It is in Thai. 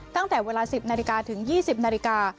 ตั้งแต่เวลา๑๐นาฬิกาถึง๒๐นาฬิกา